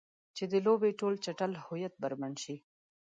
چې د لوبې ټول چټل هویت بربنډ شي.